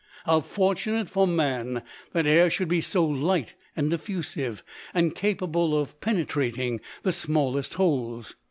How fortunate for man that air should be so light and diffusive, and capable of penetrating the smallest holes!